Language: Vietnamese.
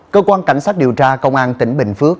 cơ quan cảnh sát điều tra công an tỉnh bình phước